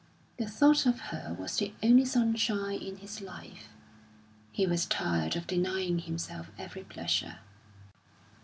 The thought of her was the only sunshine in his life; he was tired of denying himself every pleasure.